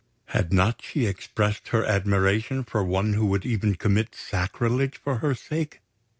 Had not she expressed her admiration for one who would even commit sacrilege for her sake?